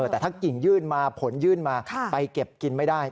แต่ถ้ากิ่งยื่นมาผลยื่นมาไปเก็บกินไม่ได้